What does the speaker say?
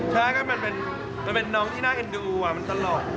ใช่ก็มันเป็นน้องที่น่าเอ็นดูมันตลอด